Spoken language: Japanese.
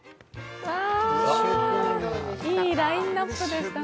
いいラインナップでしたね。